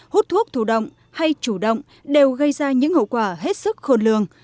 hút thuốc thủ động hay chủ động đều gây ra những hậu quả hết sức khôn lường